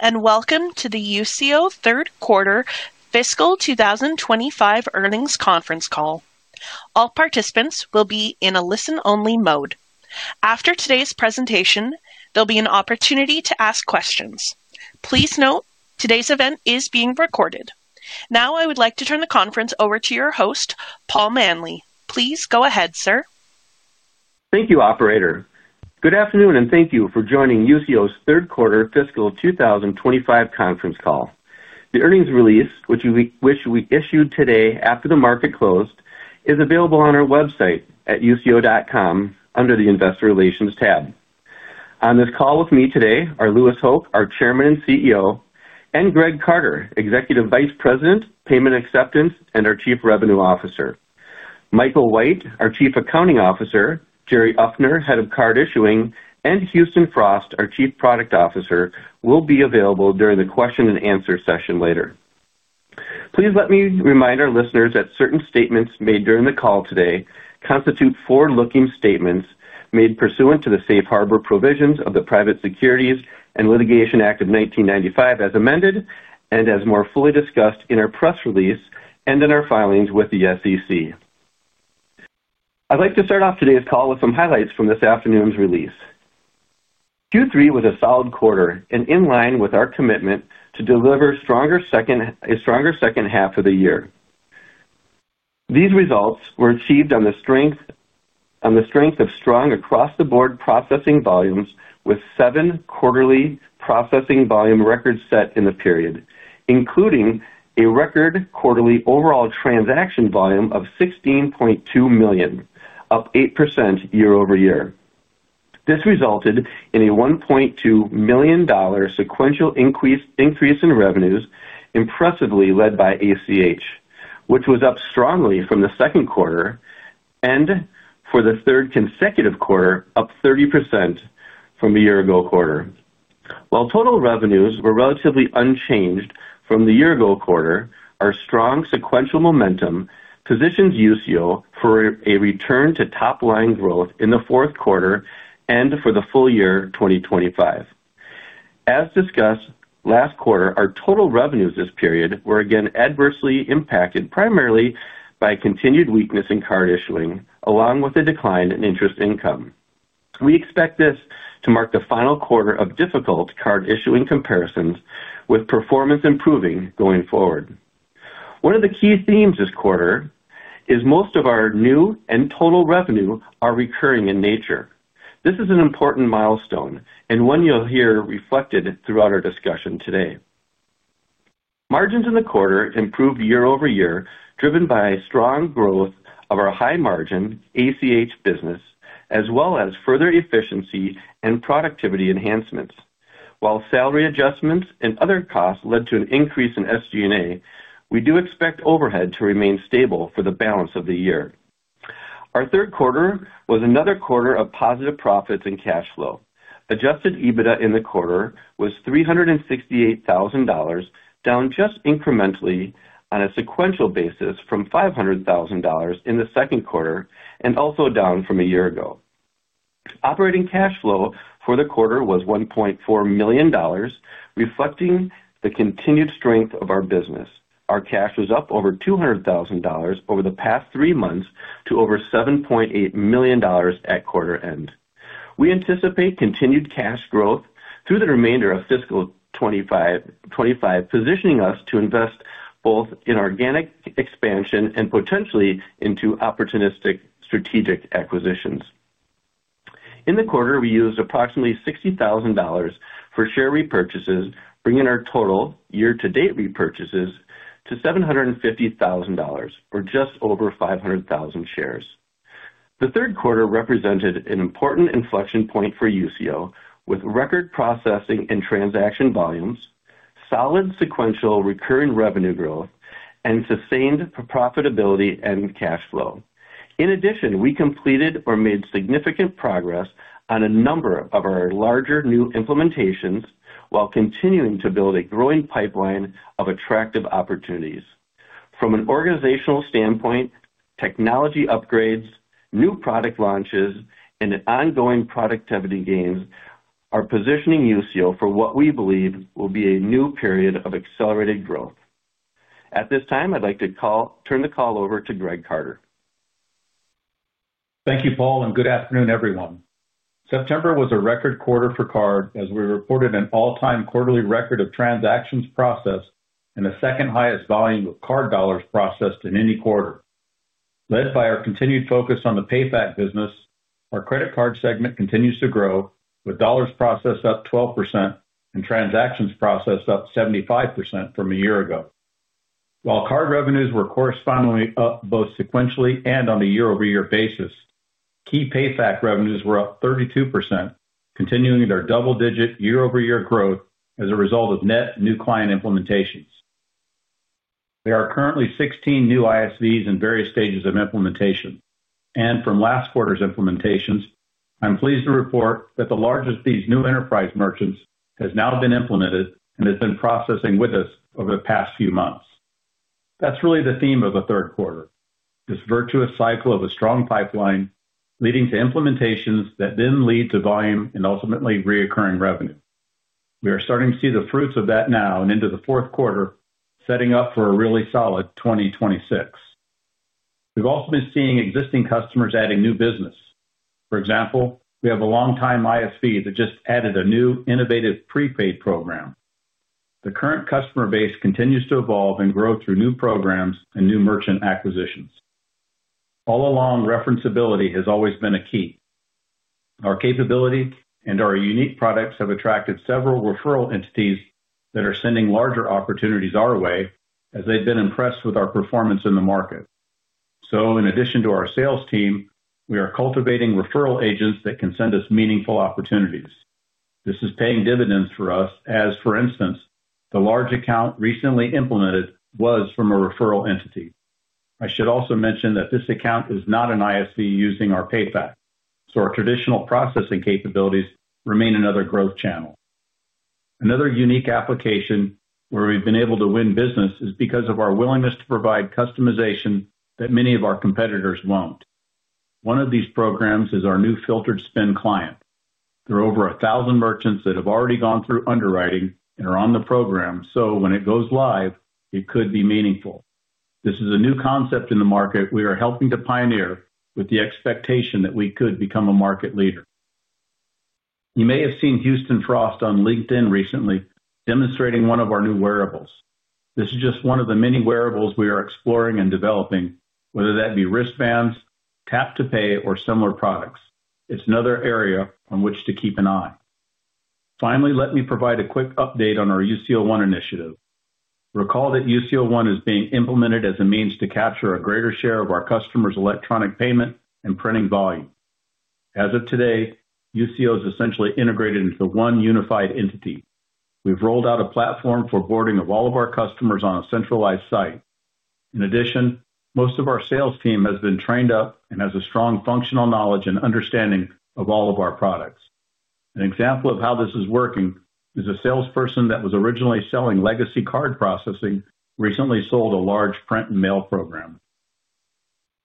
Hello and welcome to the Usio Third Quarter Fiscal 2025 Earnings Conference Call. All participants will be in a listen-only mode. After today's presentation, there'll be an opportunity to ask questions. Please note, today's event is being recorded. Now, I would like to turn the conference over to your host, Paul Manley. Please go ahead, sir. Thank you, Operator. Good afternoon, and thank you for joining Usio's Third Quarter Fiscal 2025 Conference Call. The earnings release, which we issued today after the market closed, is available on our website at usio.com under the Investor Relations tab. On this call with me today are Louis Hoch, our Chairman and CEO, and Greg Carter, Executive Vice President, Payment Acceptance, and our Chief Revenue Officer. Michael White, our Chief Accounting Officer, Jerry Uffner, Head of Card Issuing, and Houston Frost, our Chief Product Officer, will be available during the question-and-answer session later. Please let me remind our listeners that certain statements made during the call today constitute forward-looking statements made pursuant to the Safe Harbor Provisions of the Private Securities Litigation Reform Act of 1995, as amended and as more fully discussed in our press release and in our filings with the SEC. I'd like to start off today's call with some highlights from this afternoon's release. Q3 was a solid quarter and in line with our commitment to deliver a stronger second half of the year. These results were achieved on the strength of strong across-the-board processing volumes, with seven quarterly processing volume records set in the period, including a record quarterly overall transaction volume of $16.2 million, up 8% yaer-over-year. This resulted in a $1.2 million sequential increase in revenues, impressively led by ACH, which was up strongly from the second quarter and for the third consecutive quarter, up 30% from the year-ago quarter. While total revenues were relatively unchanged from the year-ago quarter, our strong sequential momentum positions Usio for a return to top-line growth in the fourth quarter and for the full year 2025. As discussed last quarter, our total revenues this period were again adversely impacted primarily by continued weakness in Card Issuing, along with a decline in interest income. We expect this to mark the final quarter of difficult Card Issuing comparisons, with performance improving going forward. One of the key themes this quarter is most of our new and total revenue are recurring in nature. This is an important milestone and one you'll hear reflected throughout our discussion today. Margins in the quarter improved year-over-year, driven by a strong growth of our high-margin ACH business, as well as further efficiency and productivity enhancements. While salary adjustments and other costs led to an increase in SG&A, we do expect overhead to remain stable for the balance of the year. Our third quarter was another quarter of positive profits and cash flow. Adjusted EBITDA in the quarter was $368,000, down just incrementally on a sequential basis from $500,000 in the second quarter and also down from a year ago. Operating cash flow for the quarter was $1.4 million, reflecting the continued strength of our business. Our cash was up over $200,000 over the past three months to over $7.8 million at quarter end. We anticipate continued cash growth through the remainder of fiscal 2025, positioning us to invest both in organic expansion and potentially into opportunistic strategic acquisitions. In the quarter, we used approximately $60,000 for share repurchases, bringing our total year-to-date repurchases to $750,000, or just over 500,000 shares. The third quarter represented an important inflection point for Usio, with record processing and transaction volumes, solid sequential recurring revenue growth, and sustained profitability and cash flow. In addition, we completed or made significant progress on a number of our larger new implementations while continuing to build a growing pipeline of attractive opportunities. From an organizational standpoint, technology upgrades, new product launches, and ongoing productivity gains are positioning Usio for what we believe will be a new period of accelerated growth. At this time, I'd like to turn the call over to Greg Carter. Thank you, Paul, and good afternoon, everyone. September was a record quarter for card as we reported an all-time quarterly record of transactions processed and the second highest volume of card dollars processed in any quarter. Led by our continued focus on the PayFac business, our credit card segment continues to grow, with dollars processed up 12% and transactions processed up 75% from a year ago. While card revenues were correspondingly up both sequentially and on a year-over-year basis, key PayFac revenues were up 32%, continuing their double-digit year-over-year growth as a result of net new client implementations. There are currently 16 new ISVs in various stages of implementation, and from last quarter's implementations, I'm pleased to report that the largest of these new enterprise merchants has now been implemented and has been processing with us over the past few months. That's really the theme of the third quarter: this virtuous cycle of a strong pipeline leading to implementations that then lead to volume and ultimately recurring revenue. We are starting to see the fruits of that now and into the fourth quarter, setting up for a really solid 2026. We've also been seeing existing customers adding new business. For example, we have a longtime ISV that just added a new innovative prepaid program. The current customer base continues to evolve and grow through new programs and new merchant acquisitions. All along, referenceability has always been a key. Our capability and our unique products have attracted several referral entities that are sending larger opportunities our way as they've been impressed with our performance in the market. In addition to our sales team, we are cultivating referral agents that can send us meaningful opportunities. This is paying dividends for us, as, for instance, the large account recently implemented was from a referral entity. I should also mention that this account is not an ISV using our PayFac, so our traditional processing capabilities remain another growth channel. Another unique application where we've been able to win business is because of our willingness to provide customization that many of our competitors won't. One of these programs is our new Filtered Spend Client. There are over 1,000 merchants that have already gone through underwriting and are on the program, so when it goes live, it could be meaningful. This is a new concept in the market we are helping to pioneer with the expectation that we could become a market leader. You may have seen Houston Frost on LinkedIn recently demonstrating one of our new wearables. This is just one of the many wearables we are exploring and developing, whether that be wristbands, tap-to-pay, or similar products. It's another area on which to keep an eye. Finally, let me provide a quick update on our Usio One initiative. Recall that Usio One is being implemented as a means to capture a greater share of our customers' electronic payment and printing volume. As of today, Usio is essentially integrated into one unified entity. We've rolled out a platform for boarding of all of our customers on a centralized site. In addition, most of our sales team has been trained up and has a strong functional knowledge and understanding of all of our products. An example of how this is working is a salesperson that was originally selling legacy card processing recently sold a large print and mail program.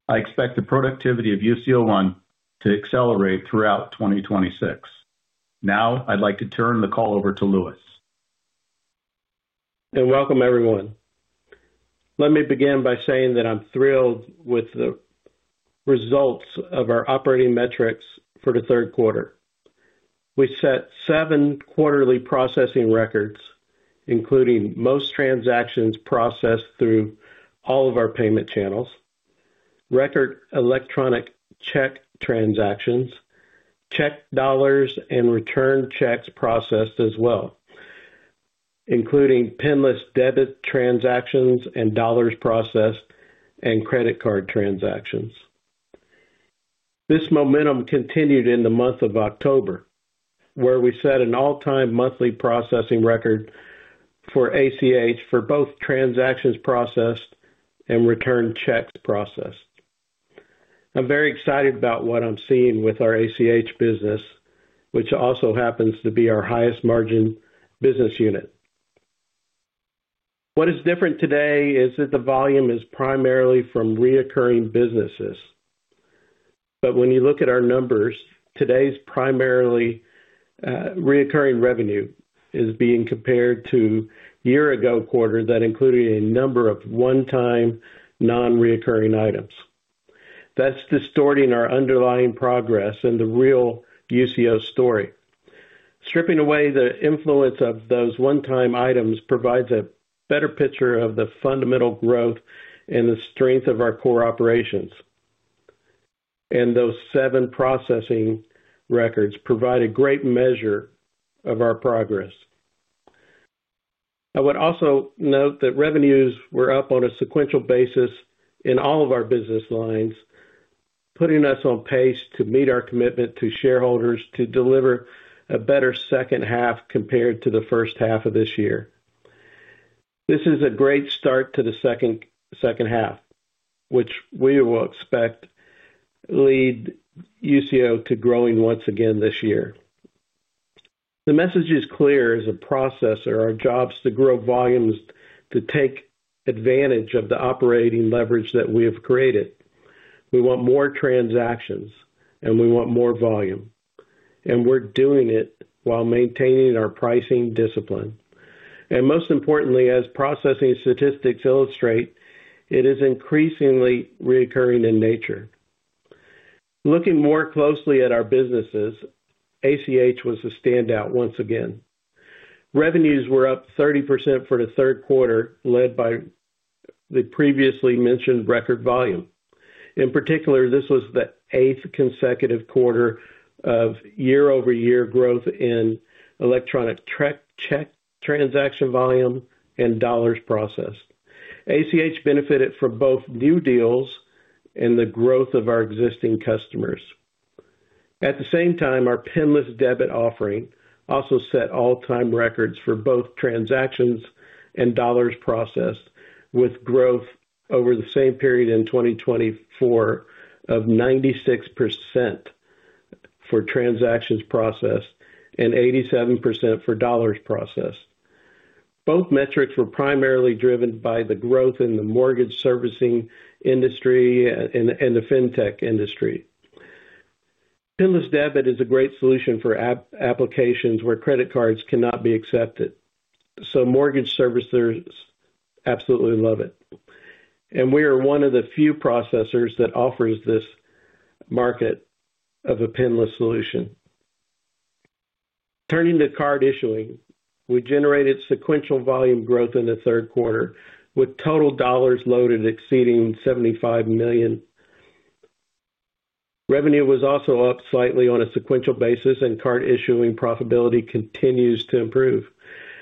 I expect the productivity of Usio One to accelerate throughout 2026. Now, I'd like to turn the call over to Louis. Welcome, everyone. Let me begin by saying that I'm thrilled with the results of our operating metrics for the third quarter. We set seven quarterly processing records, including most transactions processed through all of our payment channels, record electronic check transactions, check dollars, and return checks processed as well, including PINless debit transactions and dollars processed and credit card transactions. This momentum continued in the month of October, where we set an all-time monthly processing record for ACH for both transactions processed and returned checks processed. I'm very excited about what I'm seeing with our ACH business, which also happens to be our highest margin business unit. What is different today is that the volume is primarily from recurring businesses. When you look at our numbers, today's primarily recurring revenue is being compared to a year-ago quarter that included a number of one-time non-recurring items. That's distorting our underlying progress and the real Usio story. Stripping away the influence of those one-time items provides a better picture of the fundamental growth and the strength of our core operations. Those seven processing records provide a great measure of our progress. I would also note that revenues were up on a sequential basis in all of our business lines, putting us on pace to meet our commitment to shareholders to deliver a better second half compared to the first half of this year. This is a great start to the second half, which we will expect to lead Usio to growing once again this year. The message is clear: as a processor, our job is to grow volumes, to take advantage of the operating leverage that we have created. We want more transactions, and we want more volume. We are doing it while maintaining our pricing discipline. Most importantly, as processing statistics illustrate, it is increasingly recurring in nature. Looking more closely at our businesses, ACH was a standout once again. Revenues were up 30% for the third quarter, led by the previously mentioned record volume. In particular, this was the eighth consecutive quarter of year-over-year growth in electronic check transaction volume and dollars processed. ACH benefited from both new deals and the growth of our existing customers. At the same time, our PINless debit offering also set all-time records for both transactions and dollars processed, with growth over the same period in 2024 of 96% for transactions processed and 87% for dollars processed. Both metrics were primarily driven by the growth in the mortgage servicing industry and the fintech industry. PINless debit is a great solution for applications where credit cards cannot be accepted. Mortgage servicers absolutely love it. We are one of the few processors that offers this market of a PINless solution. Turning to Card Issuing, we generated sequential volume growth in the third quarter, with total dollars loaded exceeding $75 million. Revenue was also up slightly on a sequential basis, and Card Issuing profitability continues to improve.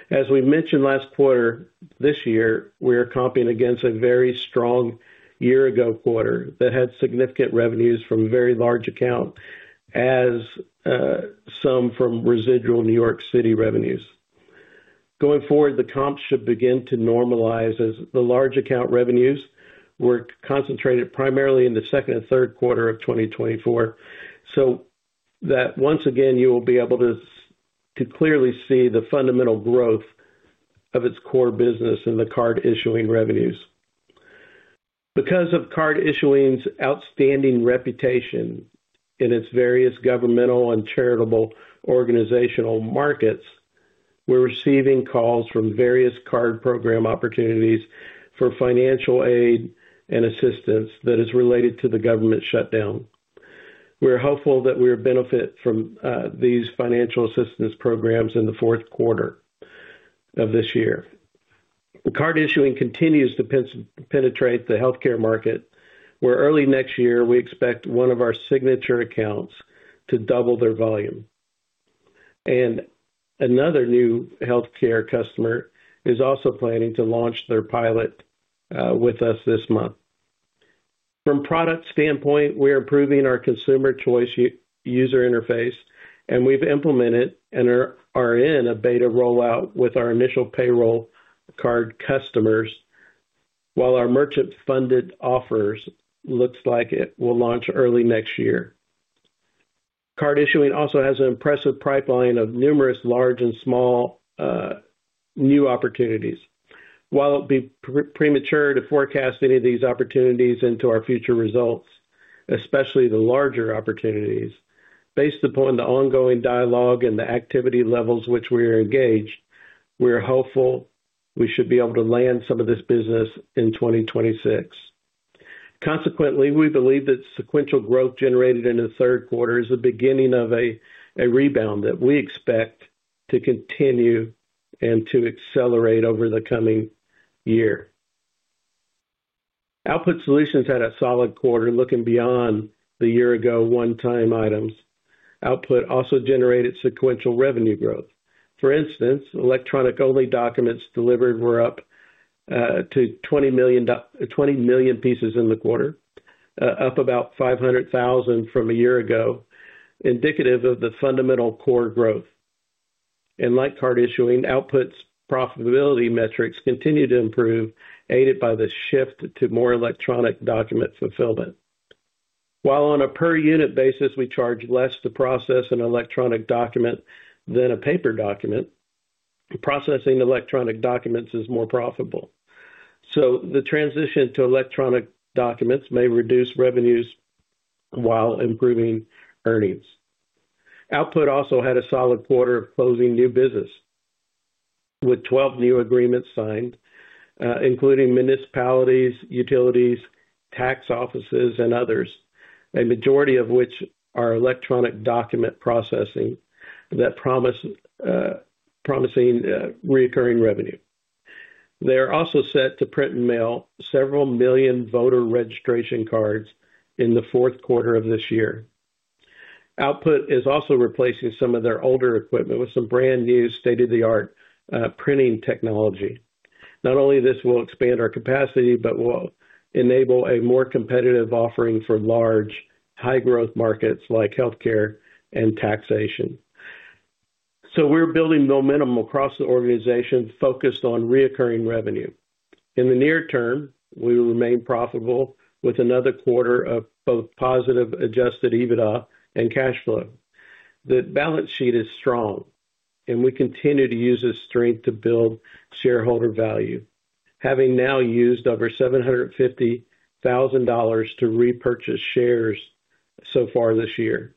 As we mentioned last quarter, this year, we are comping against a very strong year-ago quarter that had significant revenues from very large accounts, as some from residual New York City revenues. Going forward, the comps should begin to normalize as the large account revenues were concentrated primarily in the second and third quarter of 2024, so that once again, you will be able to clearly see the fundamental growth of its core business and the Card Issuing revenues. Because of Card Issuing's outstanding reputation in its various governmental and charitable organizational markets, we're receiving calls from various card program opportunities for financial aid and assistance that is related to the government shutdown. We're hopeful that we will benefit from these financial assistance programs in the fourth quarter of this year. Card Issuing continues to penetrate the healthcare market, where early next year, we expect one of our signature accounts to double their volume. Another new healthcare customer is also planning to launch their pilot with us this month. From a product standpoint, we are improving our Consumer Choice user interface, and we've implemented and are in a beta rollout with our initial payroll card customers, while our Merchant-Funded Offers look like it will launch early next year. Card Issuing also has an impressive pipeline of numerous large and small new opportunities. While it would be premature to forecast any of these opportunities into our future results, especially the larger opportunities, based upon the ongoing dialogue and the activity levels which we are engaged, we are hopeful we should be able to land some of this business in 2026. Consequently, we believe that sequential growth generated in the third quarter is the beginning of a rebound that we expect to continue and to accelerate over the coming year. Output Solutions had a solid quarter looking beyond the year-ago one-time items. Output also generated sequential revenue growth. For instance, electronic-only documents delivered were up to 20 million pieces in the quarter, up about 500,000 from a year ago, indicative of the fundamental core growth. Like Card Issuing, Output's profitability metrics continue to improve, aided by the shift to more electronic document fulfillment. While on a per-unit basis, we charge less to process an electronic document than a paper document, processing electronic documents is more profitable. The transition to electronic documents may reduce revenues while improving earnings. Output also had a solid quarter of closing new business, with 12 new agreements signed, including municipalities, utilities, tax offices, and others, a majority of which are electronic document processing that promise recurring revenue. They are also set to print and mail several million voter registration cards in the fourth quarter of this year. Output is also replacing some of their older equipment with some brand new state-of-the-art printing technology. Not only will this expand our capacity, but will enable a more competitive offering for large, high-growth markets like healthcare and taxation. We are building momentum across the organization focused on recurring revenue. In the near term, we will remain profitable with another quarter of both positive adjusted EBITDA and cash flow. The balance sheet is strong, and we continue to use this strength to build shareholder value, having now used over $750,000 to repurchase shares so far this year.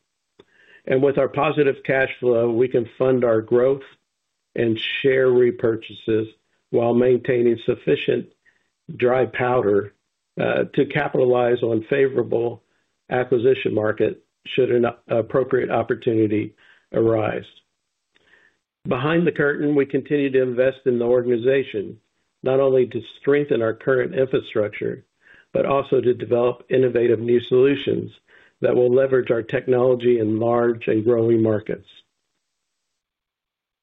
With our positive cash flow, we can fund our growth and share repurchases while maintaining sufficient dry powder to capitalize on a favorable acquisition market should an appropriate opportunity arise. Behind the curtain, we continue to invest in the organization, not only to strengthen our current infrastructure, but also to develop innovative new solutions that will leverage our technology in large and growing markets.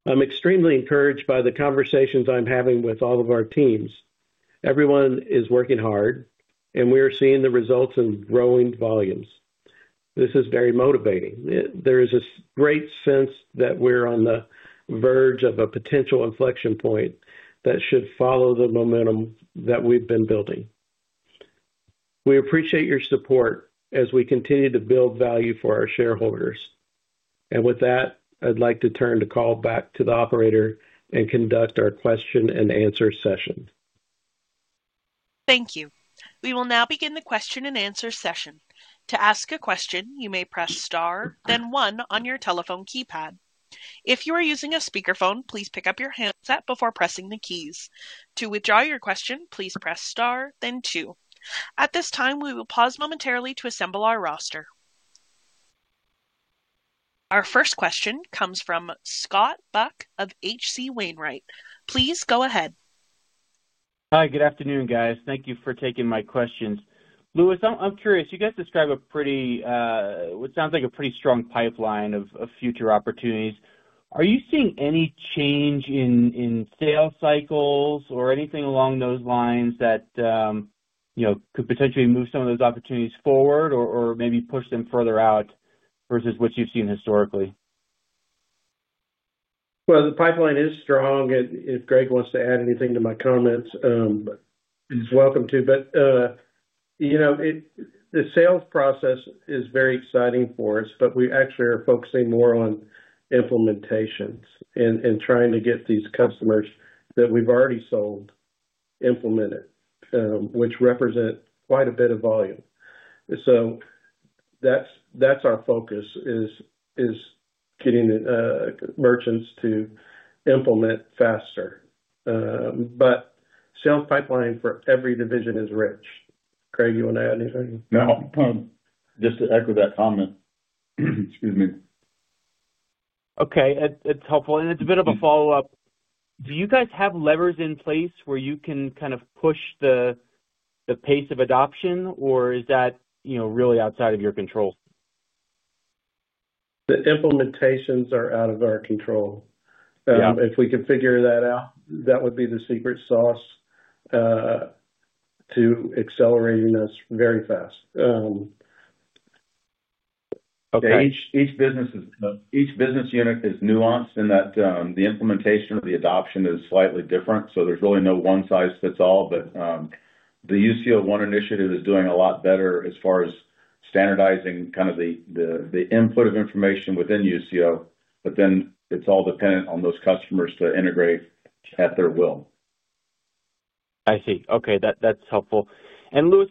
I'm extremely encouraged by the conversations I'm having with all of our teams. Everyone is working hard, and we are seeing the results in growing volumes. This is very motivating. There is a great sense that we're on the verge of a potential inflection point that should follow the momentum that we've been building. We appreciate your support as we continue to build value for our shareholders. With that, I'd like to turn the call back to the operator and conduct our question-and-answer session. Thank you. We will now begin the question-and-answer session. To ask a question, you may press star, then one on your telephone keypad. If you are using a speakerphone, please pick up your headset before pressing the keys. To withdraw your question, please press star, then two. At this time, we will pause momentarily to assemble our roster. Our first question comes from Scott Buck of H.C. Wainwright. Please go ahead. Hi, good afternoon, guys. Thank you for taking my questions. Louis, I'm curious. You guys describe a pretty—what sounds like a pretty strong pipeline of future opportunities. Are you seeing any change in sales cycles or anything along those lines that could potentially move some of those opportunities forward or maybe push them further out versus what you've seen historically? The pipeline is strong. If Greg wants to add anything to my comments, he's welcome to. The sales process is very exciting for us, but we actually are focusing more on implementations and trying to get these customers that we've already sold implemented, which represent quite a bit of volume. That is our focus, getting merchants to implement faster. The sales pipeline for every division is rich. Greg, you want to add anything? No. Just to echo that comment. Excuse me. Okay. It's helpful. It's a bit of a follow-up. Do you guys have levers in place where you can kind of push the pace of adoption, or is that really outside of your control? The implementations are out of our control. If we could figure that out, that would be the secret sauce to accelerating us very fast. Okay. Each business unit is nuanced in that the implementation of the adoption is slightly different. There is really no one-size-fits-all. The Usio One initiative is doing a lot better as far as standardizing kind of the input of information within Usio, but then it is all dependent on those customers to integrate at their will. I see. Okay. That's helpful. Louis,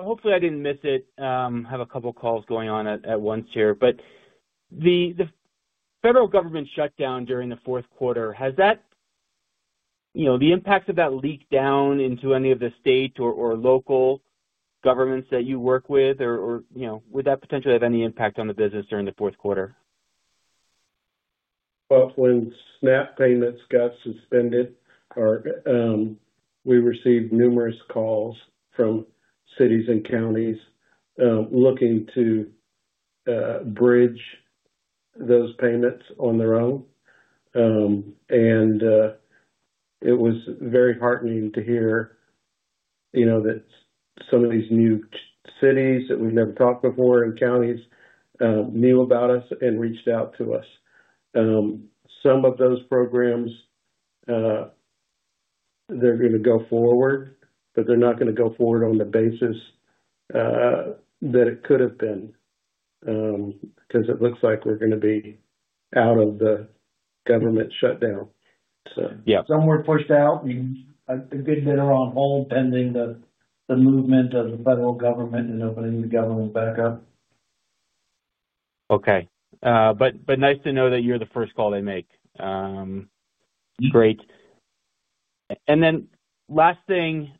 hopefully, I didn't miss it. I have a couple of calls going on at once here. The federal government shutdown during the fourth quarter, has that—the impact of that leaked down into any of the state or local governments that you work with, or would that potentially have any impact on the business during the fourth quarter? When SNAP payments got suspended, we received numerous calls from cities and counties looking to bridge those payments on their own. It was very heartening to hear that some of these new cities that we've never talked to before and counties knew about us and reached out to us. Some of those programs, they're going to go forward, but they're not going to go forward on the basis that it could have been because it looks like we're going to be out of the government shutdown. Yeah. were pushed out. A good bit are on hold pending the movement of the federal government and opening the government back up. Okay. Nice to know that you're the first call they make. Great. Last thing,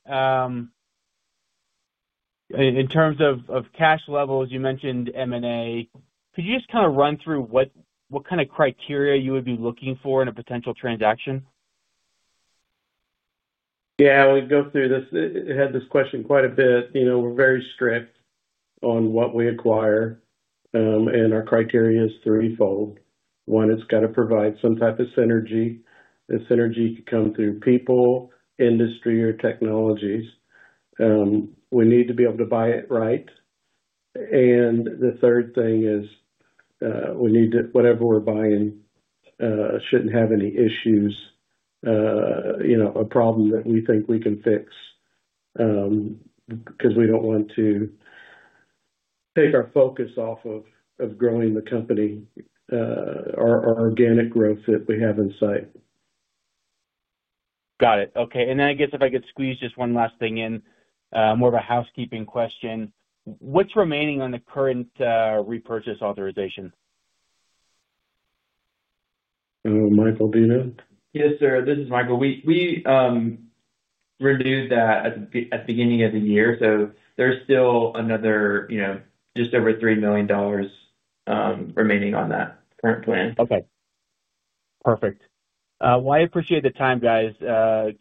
in terms of cash levels, you mentioned M&A. Could you just kind of run through what kind of criteria you would be looking for in a potential transaction? Yeah. We'd go through this. I had this question quite a bit. We're very strict on what we acquire, and our criteria is threefold. One, it's got to provide some type of synergy. The synergy can come through people, industry, or technologies. We need to be able to buy it right. The third thing is we need to—whatever we're buying shouldn't have any issues, a problem that we think we can fix because we don't want to take our focus off of growing the company or our organic growth that we have in sight. Got it. Okay. I guess if I could squeeze just one last thing in, more of a housekeeping question. What's remaining on the current repurchase authorization? Michael? Yes, sir. This is Michael. We renewed that at the beginning of the year. So there's still another just over $3 million remaining on that current plan. Okay. Perfect. I appreciate the time, guys.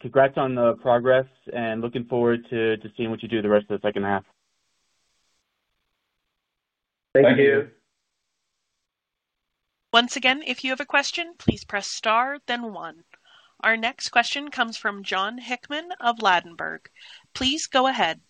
Congrats on the progress, and looking forward to seeing what you do the rest of the second half. Thank you. Thank you. Once again, if you have a question, please press star, then one. Our next question comes from John Hickman of Ladenburg. Please go ahead.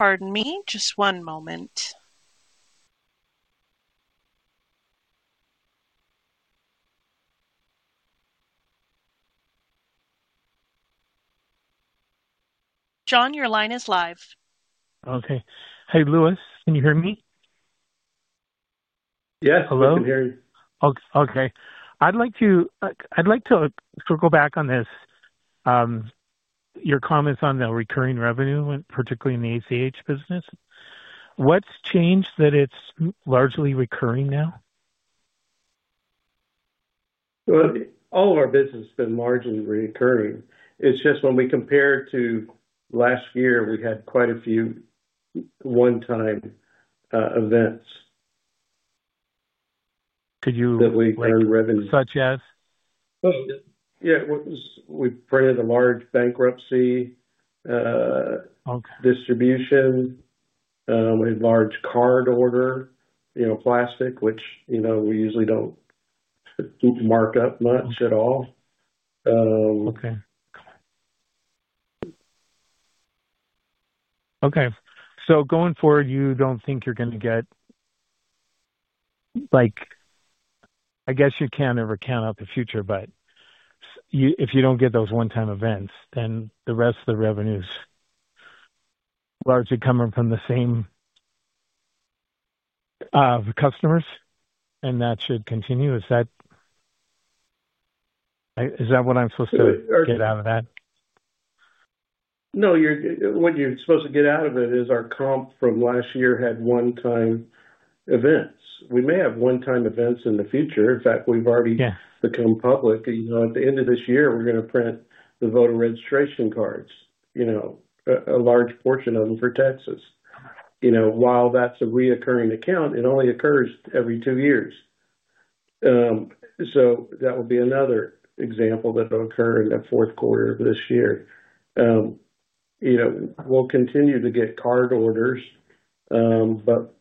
Pardon me. Just one moment. John, your line is live. Okay. Hey, Louis, can you hear me? Yes. Hello. I can hear you. Okay. I'd like to circle back on your comments on the recurring revenue, particularly in the ACH business. What's changed that it's largely recurring now? All of our business has been largely recurring. It's just when we compare it to last year, we had quite a few one-time events that we earned revenue. Could you? Such as? Yeah. We printed a large bankruptcy distribution. We had a large card order, plastic, which we usually do not mark up much at all. Okay. Okay. So going forward, you don't think you're going to get—I guess you can't ever count out the future, but if you don't get those one-time events, then the rest of the revenue is largely coming from the same customers, and that should continue. Is that what I'm supposed to get out of that? No. What you're supposed to get out of it is our comp from last year had one-time events. We may have one-time events in the future. In fact, we've already become public. At the end of this year, we're going to print the voter registration cards, a large portion of them for Texas. While that's a recurring account, it only occurs every two years. That will be another example that will occur in the fourth quarter of this year. We'll continue to get card orders, but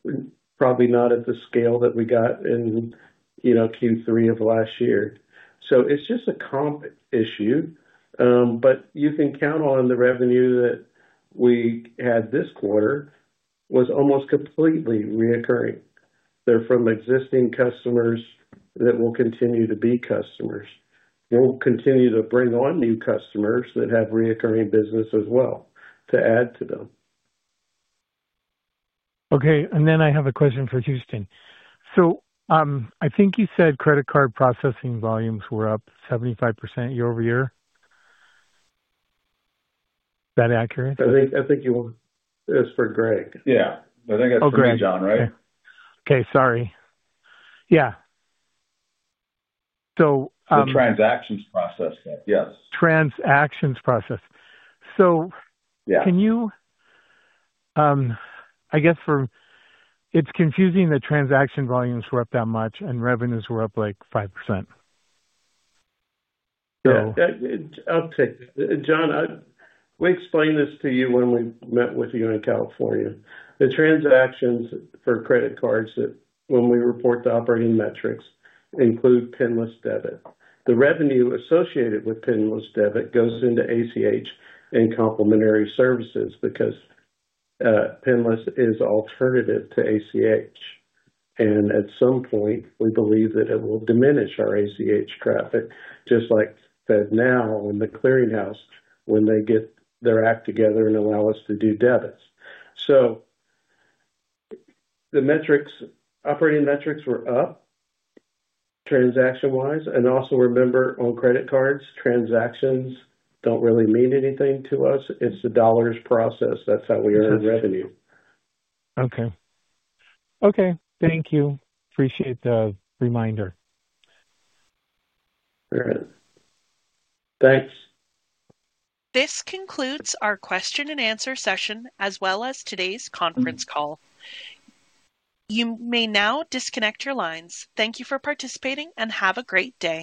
probably not at the scale that we got in Q3 of last year. It's just a comp issue. You can count on the revenue that we had this quarter was almost completely recurring. They're from existing customers that will continue to be customers. We'll continue to bring on new customers that have recurring business as well to add to them. Okay. I have a question for Houston. I think you said credit card processing volumes were up 75% yaer-over-year. Is that accurate? I think you want—that's for Greg. Yeah. I think that's for me, John, right? Okay. Sorry. Yeah. So. The transactions process, yes. Transactions process. Can you—I guess it's confusing that transaction volumes were up that much and revenues were up like 5%? I'll take that. John, we explained this to you when we met with you in California. The transactions for credit cards that, when we report the operating metrics, include PINless debit. The revenue associated with PINless debit goes into ACH and complimentary services because PINless is an alternative to ACH. At some point, we believe that it will diminish our ACH traffic, just like FedNow and the clearinghouse when they get their act together and allow us to do debits. The metrics, operating metrics were up transaction-wise. Also, remember, on credit cards, transactions don't really mean anything to us. It's the dollars processed. That's how we earn revenue. Okay. Okay. Thank you. Appreciate the reminder. All right. Thanks. This concludes our question-and-answer session as well as today's conference call. You may now disconnect your lines. Thank you for participating and have a great day.